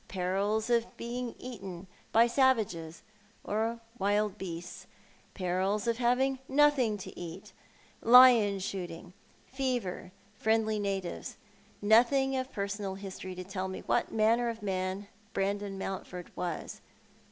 Perils of being eaten by savages or wild beasts. Perils of having nothing to eat. Lion shooting, fever, friendly natives. Nothing of personal history to tuU me what manner of man Brandon Mountford was.